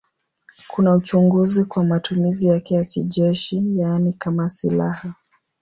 Kuna uchunguzi kwa matumizi yake ya kijeshi, yaani kama silaha.